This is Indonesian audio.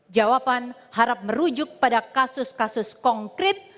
jawaban harap merujuk pada kasus kasus konkret